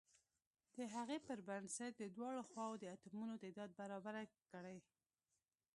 د هغې پر بنسټ د دواړو خواو د اتومونو تعداد برابر کړئ.